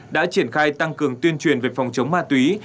đã triển khai tăng cường tuyên truyền về phòng chống ma túy